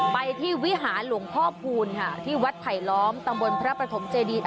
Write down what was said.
ไปที่วิหารหลวงพ่อพูนค่ะที่วัดไผลล้อมตำบลพระประถมเจดี